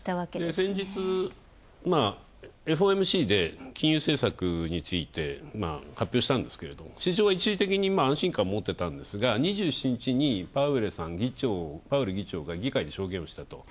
先日ＦＯＭＣで金融政策について発表したんですけども、市場は一時的に安心感もってたんですが、２７日にパウエルさん議会で証言をしたと。